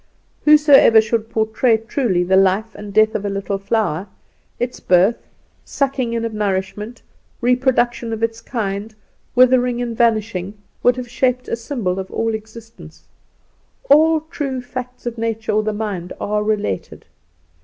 Whosoever should portray truly the life and death of a little flower its birth, sucking in of nourishment, reproduction of its kind, withering and vanishing would have shaped a symbol of all existence. All true facts of nature or the mind are related.